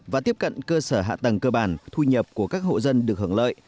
và tiếp cận cơ sở hạ tầng cơ bản thu nhập của các hộ dân được hưởng lợi